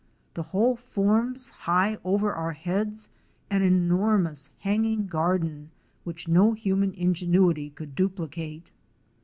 The whole forms, high over our heads, an enor mous hanging garden which no human ingenuity could duplicate.